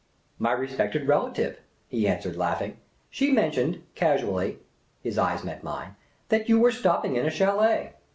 *' My respected relative," he answered, laughing. " She mentioned — casually —" his eyes met mine —" that you were stopping in a ch&let.